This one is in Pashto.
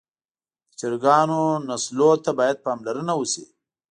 د چرګانو نسلونو ته باید پاملرنه وشي.